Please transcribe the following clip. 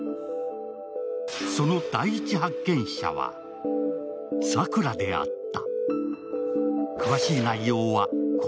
その第１発見者は、サクラであった。